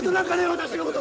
私のこと